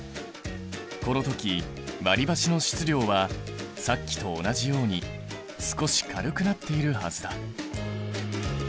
この時割りばしの質量はさっきと同じように少し軽くなっているはずだ。